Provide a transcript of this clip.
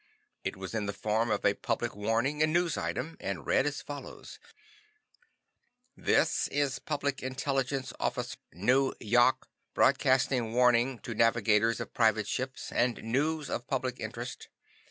It was in the form of a public warning and news item, and read as follows: "This is Public Intelligence Office, Nu yok, broadcasting warning to navigators of private ships, and news of public interest.